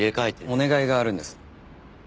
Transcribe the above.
お願いがあるんです。